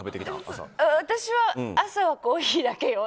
私は朝はコーヒーだけよ。